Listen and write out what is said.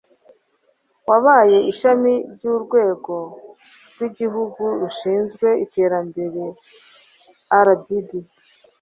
rwabaye ishami ry'urwego rw'igihugu rushinzwe iterambere (rdb